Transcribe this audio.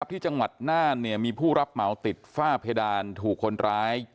ที่จังหวัดน่านมีผู้รับเหมาติดฝ้าเพดานถูกคนร้าย